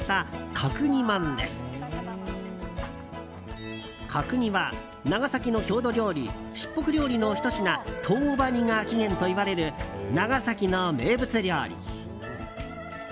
角煮は長崎の郷土料理卓袱料理のひと品。とうば煮が起源といわれる長崎の名物料理。